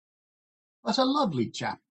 But a lovely chap!